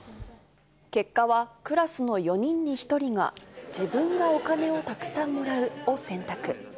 結果は、クラスの４人に１人が自分がお金をたくさんもらうを選択。